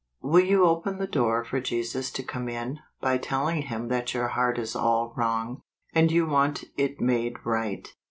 Will you open the door for Jesus to come in, by telling Him that your heart is all wrong, and you want it made right